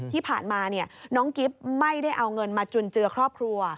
ที่ผ่านมาน้องกิ๊บไม่ได้เอาเงินมาจุนเจือครอบครัว